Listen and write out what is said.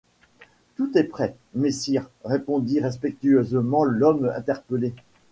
Tout est prêt, messire, répondit respectueusement l'homme interpellé.